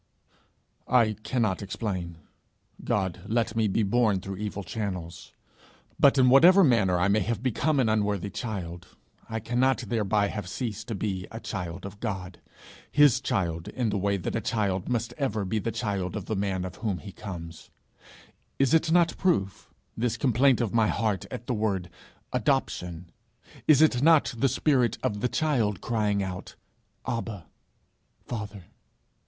'I cannot explain. God let me be born through evil channels. But in whatever manner I may have become an unworthy child, I cannot thereby have ceased to be a child of God his child in the way that a child must ever be the child of the man of whom he comes. Is it not proof this complaint of my heart at the word Adoption? Is it not the spirit of the child, crying out, "Abba, Father"?'